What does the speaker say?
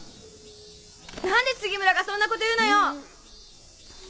何で杉村がそんなこと言うのよ！